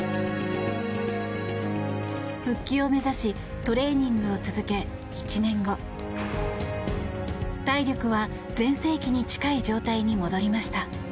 復帰を目指しトレーニングを続け１年後、体力は全盛期に近い状態に戻りました。